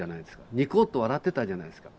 ニコッと笑ってたじゃないですか。